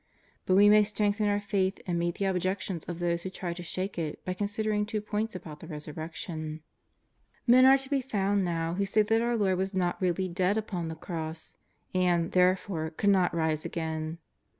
But we may strengthen our faith and meet the objections of those who try to shake it by con sidering two points about the Resurrection: Men are to be found now who say that our Lord was not really dead upon the cross, and, therefore, could not rise again.